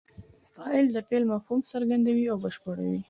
فاعل د فعل مفهوم څرګندوي او بشپړوي.